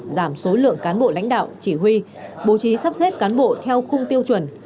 giảm số lượng cán bộ lãnh đạo chỉ huy bố trí sắp xếp cán bộ theo khung tiêu chuẩn